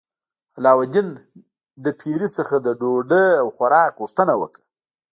علاوالدین له پیري څخه د ډوډۍ او خوراک غوښتنه وکړه.